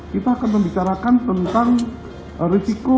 kita akan membicarakan tentang risiko